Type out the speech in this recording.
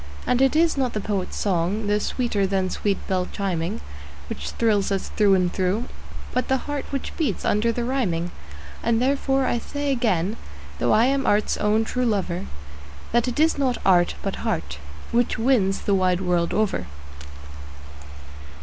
And it is not the poet's song, though sweeter than sweet bells chiming, Which thrills us through and through, but the heart which beats under the rhyming. And therefore I say again, though I am art's own true lover, That it is not art, but heart, which wins the wide world over.